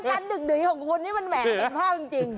อาการดึกดึกของคนนี้มันแหวนเป็นภาพจริง